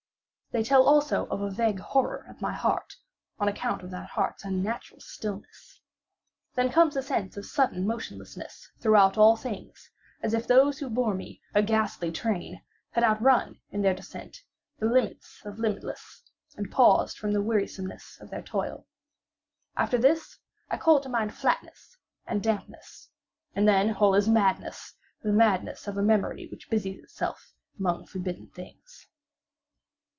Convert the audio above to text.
They tell also of a vague horror at my heart, on account of that heart's unnatural stillness. Then comes a sense of sudden motionlessness throughout all things; as if those who bore me (a ghastly train!) had outrun, in their descent, the limits of the limitless, and paused from the wearisomeness of their toil. After this I call to mind flatness and dampness; and then all is madness—the madness of a memory which busies itself among forbidden things.